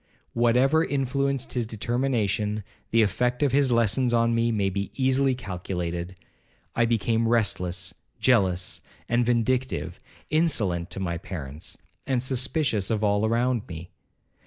Whatever influenced his determination, the effect of his lessons on me may be easily calculated. I became restless, jealous, and vindictive;—insolent to my parents, and suspicious of all around me.